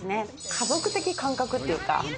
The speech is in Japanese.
家族的感覚っていうか。